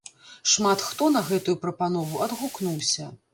Шмат хто на гэтую прапанову адгукнуўся.